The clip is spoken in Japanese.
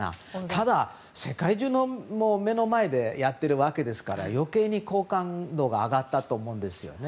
ただ、世界中の目の前でやっているわけですから余計に好感度が上がったと思うんですよね。